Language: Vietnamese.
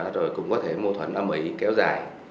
rồi cũng có thể mâu thuẫn âm ảy kéo dài